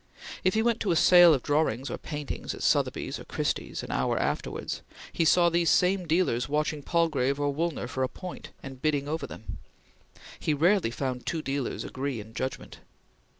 If he went to a sale of drawings or paintings, at Sotheby's or Christie's, an hour afterwards, he saw these same dealers watching Palgrave or Woolner for a point, and bidding over them. He rarely found two dealers agree in judgment.